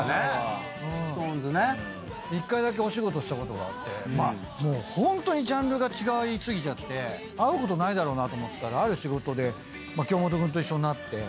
１回だけお仕事したことがあってホントにジャンルが違い過ぎちゃって会うことないだろうなと思ったらある仕事で一緒になって。